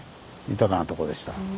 豊かなとこでした。